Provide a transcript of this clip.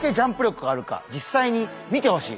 実際に見てほしい！